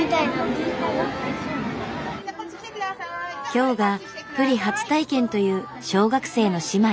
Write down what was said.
今日がプリ初体験という小学生の姉妹。